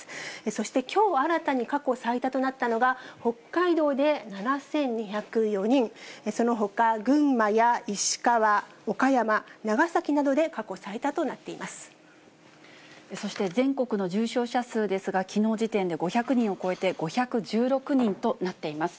そしてきょう新たに過去最多となったのが、北海道で７２０４人、そのほか群馬や石川、岡山、長崎などで過去最多となっていまそして、全国の重症者数ですが、きのう時点で５００人を超えて５１６人となっています。